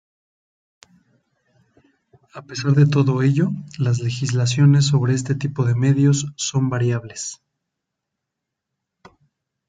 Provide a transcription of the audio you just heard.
A pesar de todo ello, las legislaciones sobre este tipo de medios son variables.